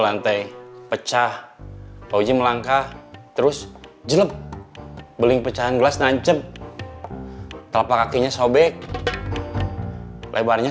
lantai pecah oji melangkah terus jelek beli pecahan gelas nancep telapak kakinya sobek lebarnya